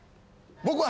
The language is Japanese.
僕は。